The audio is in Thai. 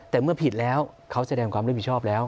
แต่เมื่อผิดแล้วเขาแสดงความรับผิดชอบแล้ว